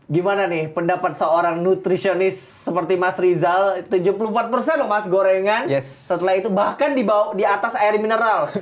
gimana nih pendapat seorang nutrisionis seperti mas rizal tujuh puluh empat persen loh mas gorengan setelah itu bahkan dibawa di atas air mineral